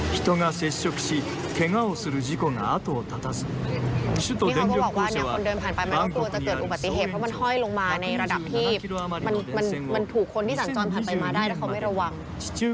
ระดับที่มันถูกคนที่สั่งจอดผ่านไปมาได้แล้วเขาไม่ระวัง